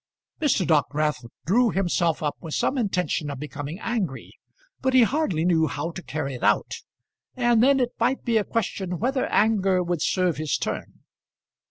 Mr. Dockwrath drew himself up with some intention of becoming angry; but he hardly knew how to carry it out; and then it might be a question whether anger would serve his turn.